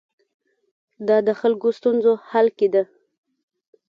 دا د خلکو ستونزو حل کې ده.